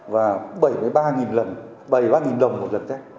và bảy mươi ba lần bảy mươi ba đồng một lần tét